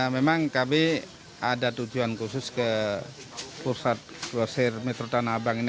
memang kami ada tujuan khusus ke pusat grosir metro tanah abang ini